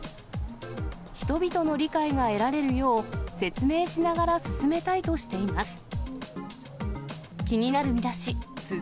人々の理解が得られるよう、説明しながら進めたいとしています。